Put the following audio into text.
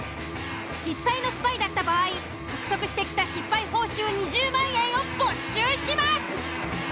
実際のスパイだった場合獲得してきた失敗報酬２０万円を没収します。